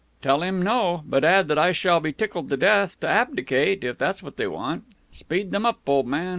"Tell him no, but add that I shall be tickled to death to abdicate, if that's what they want. Speed them up, old man.